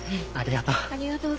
ありがとう。